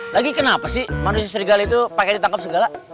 lagi kenapa sih manusia serigala itu pakai ditangkep segala